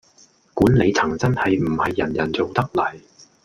管理層真係唔係人人做得嚟